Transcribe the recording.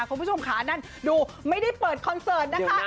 คุณผู้ชมค่ะนั่นดูไม่ได้เปิดคอนเสิร์ตนะคะ